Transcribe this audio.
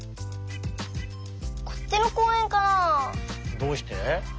どうして？